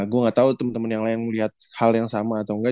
gue gak tau temen temen yang lain melihat hal yang sama atau enggak